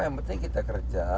yang penting kita kerja